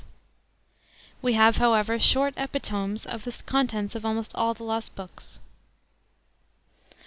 We ha\e, however, short epitomes of the contents of almost all the lost Bo *ks.